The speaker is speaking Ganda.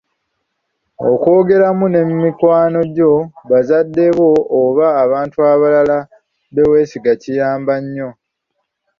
Okwogeramu ne mikwano gyo, bazadde bo oba abantu abalala be weesiga kiyamba nnyo.